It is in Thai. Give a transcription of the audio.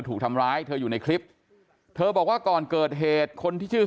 ถูกทำร้ายเธออยู่ในคลิปเธอบอกว่าก่อนเกิดเหตุคนที่ชื่อ